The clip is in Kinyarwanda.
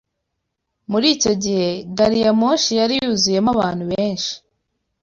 Muri icyo gihe, gari ya moshi yari yuzuyemo abantu benshi.